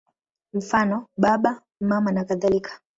Mfano: Baba, Mama nakadhalika.